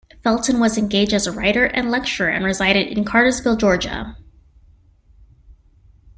Felton was engaged as a writer and lecturer and resided in Cartersville, Georgia.